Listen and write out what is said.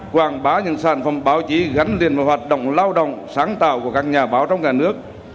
quảng bá những sản phẩm báo chí gắn liền với hoạt động lao động sáng tạo của các nhà báo trong cả nước